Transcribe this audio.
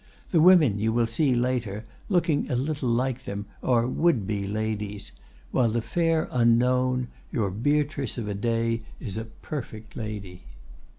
The women you will see later, looking a little like them, are would be ladies; while the fair Unknown, your Beatrice of a day, is a 'perfect lady.